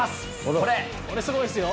これ、これ、すごいですよ。